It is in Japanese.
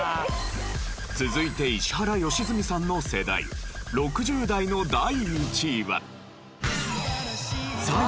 続いて石原良純さんの世代６０代の第１位は。